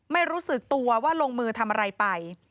ไม่รู้สึกตัวว่าลงมือทำอะไรไป